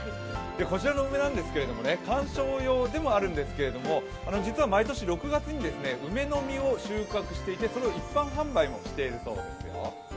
こちらの梅なんですけど、観賞用でもあるんですけど実は毎年６月に梅の実を収穫していて、その一般販売もしているそうですよ。